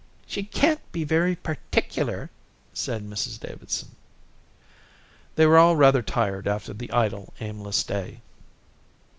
"She can't be very particular," said Mrs Davidson. They were all rather tired after the idle, aimless day.